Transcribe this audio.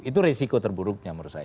itu resiko terburuknya menurut saya